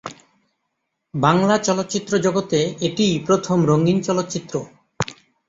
বাংলা চলচ্চিত্র জগতে এটিই প্রথম রঙিন চলচ্চিত্র।